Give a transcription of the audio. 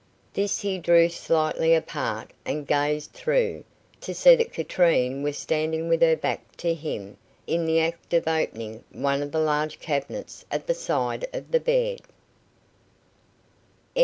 This he drew slightly apart and gazed through, to see that Katrine was standing with her back to him, in the act of opening one of the large cabinets at the side of the bed.